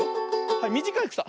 はいみじかいくさ。